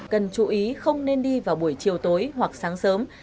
cần chú ý không nên đi vào buổi chiều tối hoặc sáng sớm